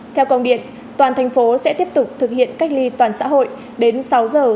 theo công điện toàn thành phố sẽ tiếp tục thực hiện cách ly toàn xã hội đến sáu giờ